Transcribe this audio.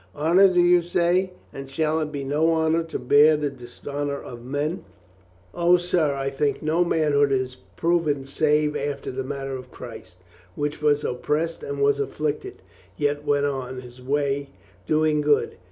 Honor, do you say ? And shall it be no honor to bear the dis honor of men ? O, sir, I think no manhood is proven save after the manner of Christ, which was op pressed and was afflicted, yet went on His way do ing good.